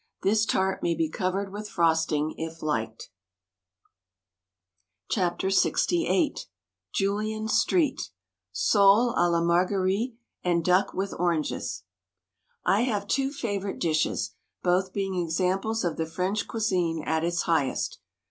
This tart may be covered with frosting if liked. WRITTEN FOR MEN BY MEN LXVIII Julian Street SOLE A LA MARGUERY AND DUCK WITH ORANGES I have two favorite dishes: both being examples of the French cuisine at its highest.